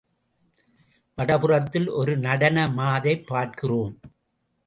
வடபுறத்தில் ஒரு நடன மாதைப் பார்க்கிறோம்.